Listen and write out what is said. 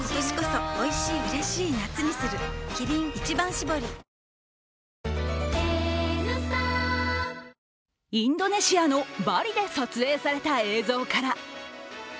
しみるごほうびだインドネシアのバリで撮影された映像から。